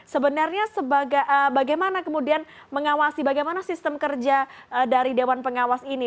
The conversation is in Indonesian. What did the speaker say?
sebenarnya bagaimana kemudian mengawasi bagaimana sistem kerja dari dewan pengawas ini